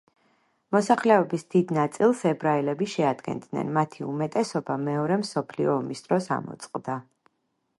მოსახლეობის დიდ ნაწილს ებრაელები შეადგენდნენ, მათი უმეტესობა მეორე მსოფლიო ომის დროს ამოწყდა.